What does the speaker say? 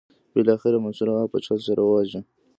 بالاخره منصور هغه په چل سره وواژه.